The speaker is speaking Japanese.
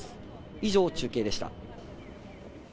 以上、中継でした。